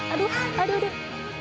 aduh aduh deh